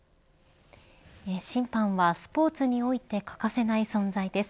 審判はスポーツにおいて欠かせない存在です。